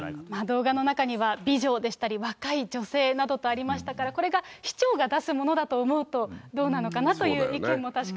動画の中には、美女でしたり、若い女性などとありましたから、これが市長が出すものだと思うと、どうなのかなという意見も、確かに。